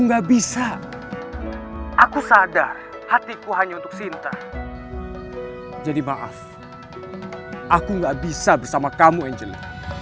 enggak bisa aku sadar hatiku hanya untuk sinta jadi maaf aku nggak bisa bersama kamu angeli